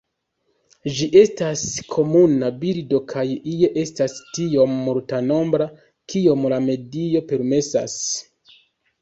Ĝi estas komuna birdo kaj ie estas tiom multnombra kiom la medio permesas.